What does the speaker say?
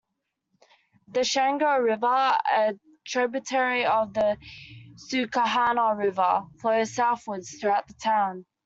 The Chenango River, a tributary of the Susquehanna River, flows southwards through the town.